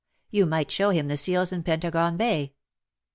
You might show him the seals in Pentargon Bay."